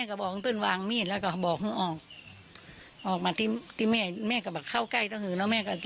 แล้วก็บอกออกออกมาที่แม่แม่ก็แบบเข้าใกล้ต้องหรือเนาะแม่ก็